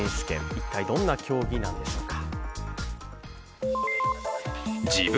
一体どんな競技なんでしょうか。